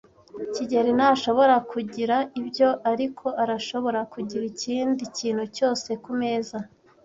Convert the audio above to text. kigeli ntashobora kugira ibyo, ariko arashobora kugira ikindi kintu cyose kumeza.